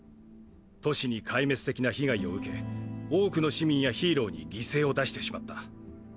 都市に壊滅的な被害を受け多くの市民やヒーローに犠牲を出してしまった。